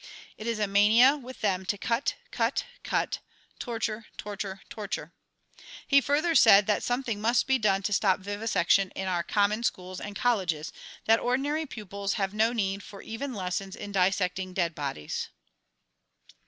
It is a mania with them to cut, cut, cut, torture, torture, torture. He further said that something must be done to stop vivisection in our common schools and colleges; that ordinary pupils have no need for even lessons in dissecting dead bodies.